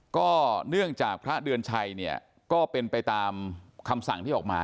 ก็เนื่องจากพระเดือนชัยเนี่ยก็เป็นไปตามคำสั่งที่ออกมา